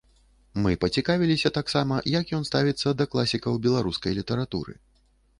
Мы пацікавіліся таксама, як ён ставіцца да класікаў беларускай літаратуры.